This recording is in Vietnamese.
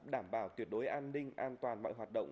đảm bảo tuyệt đối an ninh an toàn mọi hoạt động